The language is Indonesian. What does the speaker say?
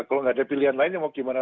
kalau nggak ada pilihan lain ya mau gimana